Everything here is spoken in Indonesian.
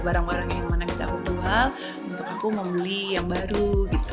barang barang yang mana bisa aku beli untuk aku mau beli yang baru gitu